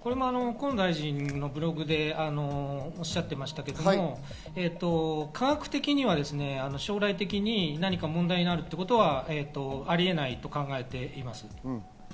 これも河野大臣のブログでおっしゃっていましたけど、科学的には将来的に何か問題があるということはあり得ないと考えています。